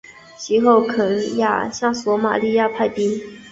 其后肯亚向索马利亚派兵。